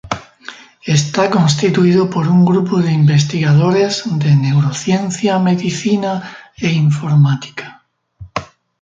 Está constituido por un grupo de investigadores de neurociencia, medicina e informática.